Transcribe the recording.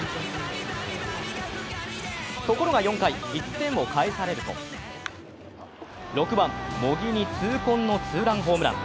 ところが４回、１点を返されると、６番・茂木に痛恨のツーランホームラン。